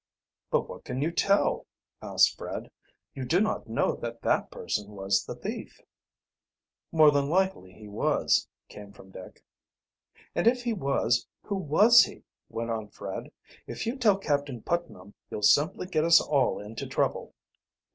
"But what can you tell?" asked Fred. "You do not know that that person, was the thief." "More than likely he was," came from Dick. "And if he was, who was he?" went on Fred. "If you tell Captain Putnam you'll simply get us all into trouble."